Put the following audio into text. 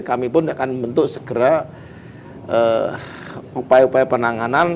kami pun akan membentuk segera upaya upaya penanganan